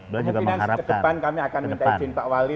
kemungkinan ke depan kami akan minta izin pak wali